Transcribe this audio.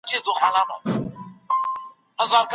موږ ټول د يوې ټولني غړي يو.